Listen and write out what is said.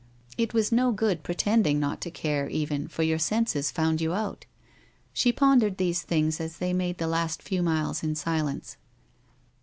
It was no good pretending not to care, even, for your senses found yon out. She pondered these things as they made the last ^w miles in silence.